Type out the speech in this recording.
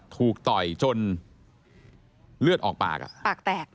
ถูกต่อยจนเลือดออกปาก